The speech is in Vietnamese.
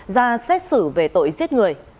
ra xét xử về tội giết người